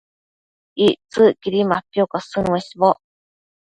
Ictsëcquidi mapiocosën uesboc